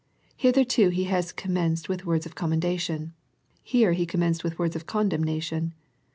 Hitherto He has commenced with words of commendation. Here He commenced with words of condemnation.